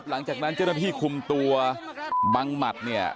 หลังจากนั้นเจ้าหน้าที่คุมตัวบังหมัดเนี่ย